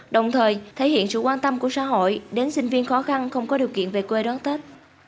đồng thời thể hiện sự quan tâm của xã hội đến sinh viên khó khăn không có điều kiện về quê đón tết